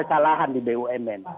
salahan di bumn